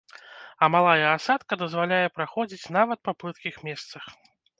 А малая асадка дазваляе праходзіць нават па плыткіх месцах.